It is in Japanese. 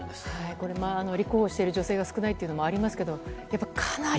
これ、立候補している女性が少ないっていうのもありますけど、やっぱり